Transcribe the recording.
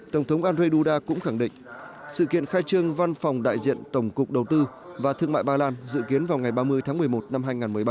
tổng thống andrzej duda cũng khẳng định sự kiện khai trương văn phòng đại diện tổng cục đầu tư và thương mại ba lan dự kiến vào ngày ba mươi tháng một mươi một năm hai nghìn một mươi bảy